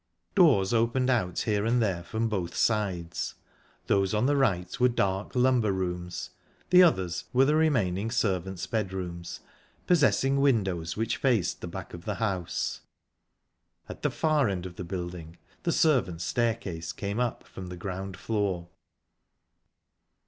Doors opened out here and there from both sides; those on the right were dark lumber rooms, the others were the remaining servants' bedrooms, possessing windows which faced the back of the house. At the far end of the building the servants' staircase came up from the ground floor.